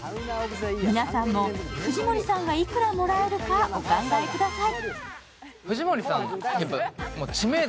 皆さんも藤森さんがいくらもらえるかお考えください。